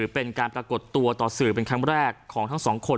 เป็นการปรากฏตัวต่อสื่อเป็นครั้งแรกของทั้งสองคน